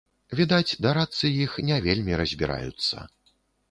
Відаць, дарадцы іх не вельмі разбіраюцца.